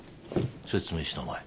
⁉説明したまえ。